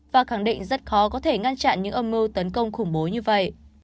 và khẳng định rất khó có thể ngăn chặn những âm mưu tấn công khủng bố như vậy